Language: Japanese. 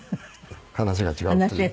「話が違う」という。